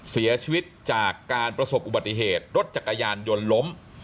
เสียชีวิตจากการประสบอุบัติเหตุรถจักรยานยนต์ล้ม